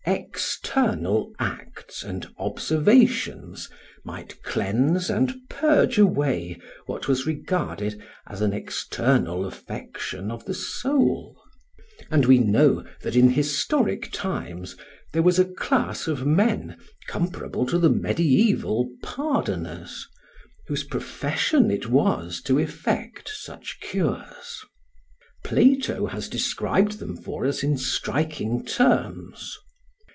External acts and observations might cleanse and purge away what was regarded as an external affection of the soul; and we know that in historic times there was a class of men, comparable to the mediaeval "pardoners", whose profession it was to effect such cures. Plato has described them for us in striking terms.